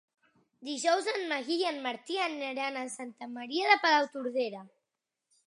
Dijous en Magí i en Martí aniran a Santa Maria de Palautordera.